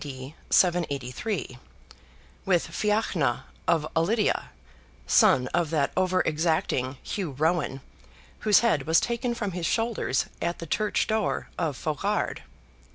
D. 783) with FIACHNA, of Ulidia, son of that over exacting Hugh Roin, whose head was taken from his shoulders at the Church door of Faughard.